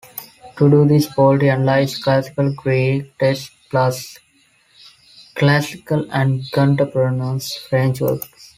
To do this Polti analyzed classical Greek texts, plus classical and contemporaneous French works.